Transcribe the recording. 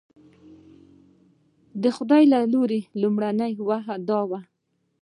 د خدای له لوري لومړنۍ وحي دا وه.